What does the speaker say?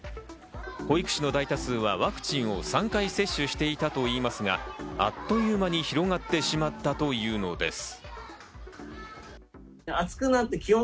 保育士の大多数はワクチンを３回接種していたといいますが、あっという間に広がってしまったというのです。